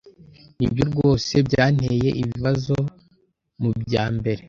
Nibyo rwose byanteye ibibazo mubyambere.